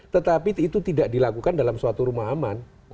tetapi itu tidak dilakukan dalam suatu rumah aman